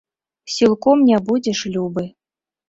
Сілком не будзеш любы.